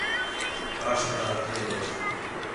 کا شے تا ہتھے ہوچ